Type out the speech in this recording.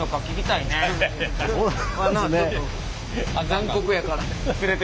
残酷やから。